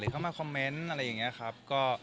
เข้ามาคอมเมนต์อะไรอย่างนี้ครับ